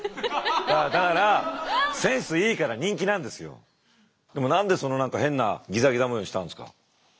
だからでも何でその変なギザギザ模様にしたんですか？